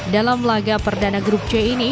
dalam laga perdana grup c ini